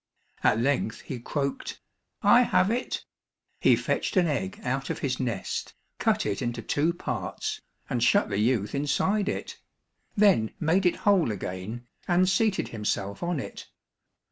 At length he croaked, "I have it." He fetched an egg out of his nest, cut it into two parts, and shut the youth inside it; then made it whole again, and seated himself on it.